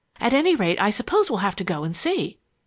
"At any rate, I suppose we'll have to go and see!"